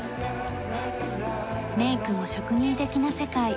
メイクも職人的な世界。